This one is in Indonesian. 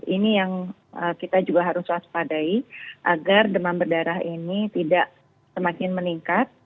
ini yang kita juga harus waspadai agar demam berdarah ini tidak semakin meningkat